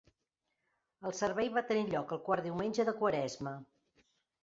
El servei va tenir lloc el quart diumenge de quaresma.